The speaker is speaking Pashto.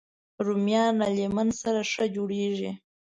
رومیان له لیمن سره ښه جوړېږي